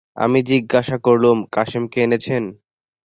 আমি জিজ্ঞাসা করলুম, কাসেমকে এনেছেন?